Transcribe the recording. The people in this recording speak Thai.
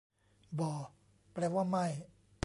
บ่ แปลว่า ไม่